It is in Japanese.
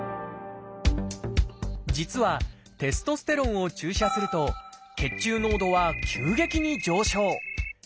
実はテストステロンを注射すると血中濃度は急激に上昇。